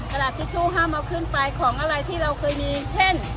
ตลาดทิชชู่ห้ามเอาขึ้นไปของอะไรที่เราเคยมีเช่น